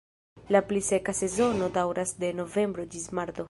La pli seka sezono daŭras de novembro ĝis marto.